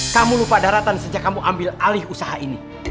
kamu lupa daratan sejak kamu ambil alih usaha ini